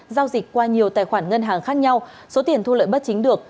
giao dịch qua nhiều tài khoản ngân hàng khác nhau số tiền thu lợi bất chính được